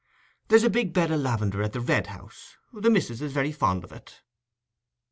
There's a big bed o' lavender at the Red House: the missis is very fond of it."